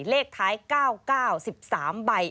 เลขท้าย๙๙๑๓ใบ